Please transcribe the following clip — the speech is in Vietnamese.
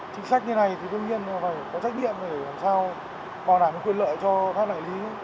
chính sách như này thì đương nhiên phải có trách nhiệm để làm sao bảo đảm quyền lợi cho các đại lý